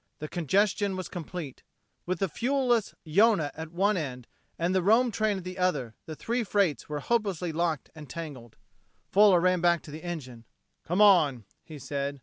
The congestion was complete. With the fuel less Yonah at one end, and the Rome train at the other, the three freights were hopelessly locked and tangled. Fuller ran back to the engine. "Come on," he said.